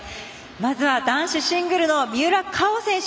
まずは男子シングルの三浦佳生選手。